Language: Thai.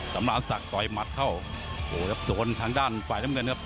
สำราญศักดิ์ต่อยหมัดเข้าโอ้โหครับโดนทางด้านฝ่ายน้ำเงินครับ